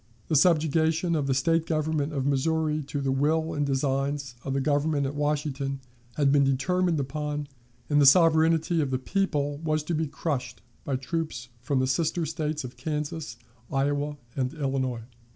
The subjugation of the State government of Missouri to the will and designs of the Government at Washington had been determined upon, and the sovereignty of the people was to be crushed by troops from the sister States of Kansas, Iowa, and Illinois.